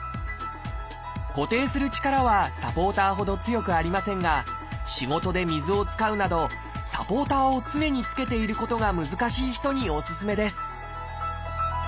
固定する力はサポーターほど強くありませんが仕事で水を使うなどサポーターを常につけていることが難しい人におすすめです